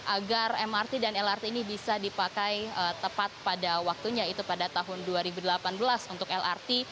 agar mrt dan lrt ini bisa dipakai tepat pada waktunya itu pada tahun dua ribu delapan belas untuk lrt